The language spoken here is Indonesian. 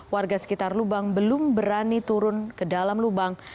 warga sekitar lubang belum berani turun ke dalam lubang